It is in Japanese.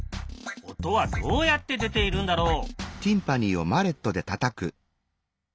音はどうやって出ているんだろう。